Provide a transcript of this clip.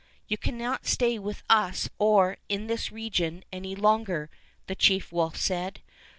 ''You cannot stay with us or in this region any longer," the chief wolf said.